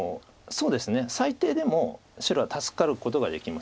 そうですね最低でも白は助かることができます。